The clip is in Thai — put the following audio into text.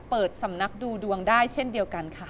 เปิดสำนักดูดวงได้เช่นเดียวกันค่ะ